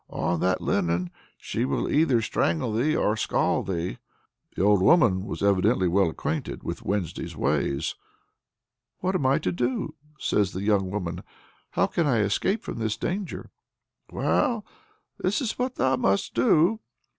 "On that linen she will either strangle thee or scald thee." The old woman was evidently well acquainted with Wednesday's ways. "What am I to do?" says the young woman. "How can I escape from this danger?" "Well, this is what thou must do.